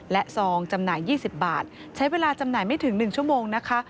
และซองจำหน่าย๒๐บาทใช้เวลาจำหน่ายไม่ถึง๑ชั่วโมงนะคะ